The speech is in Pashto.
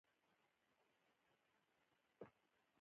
انیل کمبلې د هند یو پياوړی بالر وو.